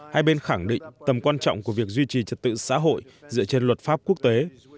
hai bên khẳng định tầm quan trọng của việc duy trì trật tự xã hội dựa trên luật pháp quốc tế